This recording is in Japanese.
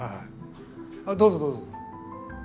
どうぞどうぞ。